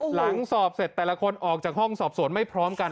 หลังสอบเสร็จแต่ละคนออกจากห้องสอบสวนไม่พร้อมกัน